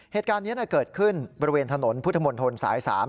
เหตุการณ์นี้เกิดขึ้นบริเวณถนนพุทธมนตรสาย๓